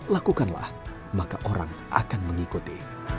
lakukanlah maka orang akan mengikuti